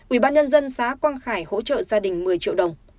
ủy ban nhân dân xã quang khải hỗ trợ gia đình một mươi triệu đồng